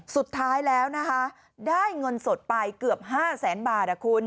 สุดท้ายแล้วนะคะได้เงินสดไปเกือบ๕แสนบาทคุณ